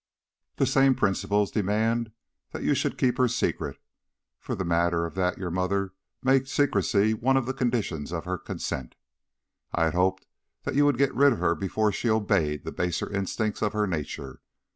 The same principles demanded that you should keep her secret for the matter of that your mother made secrecy one of the conditions of her consent. I had hoped that you would get rid of her before she obeyed the baser instincts of her nature.